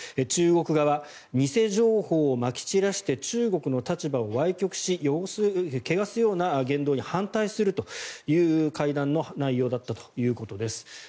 中国側、偽情報をまき散らして中国の立場をわい曲し汚すような言動に反対するという会談の内容だったということです。